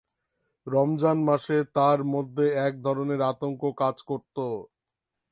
রমজান মাসে তার মধ্যে এক ধরনের আতঙ্ক কাজ করতো।